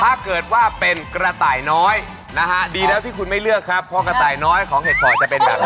ถ้าเกิดว่าเป็นกระต่ายน้อยนะฮะดีแล้วที่คุณไม่เลือกครับเพราะกระต่ายน้อยของเห็ดเป่าจะเป็นแบบนี้